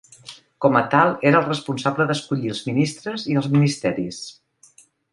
Com a tal era el responsable d'escollir els ministres i els ministeris.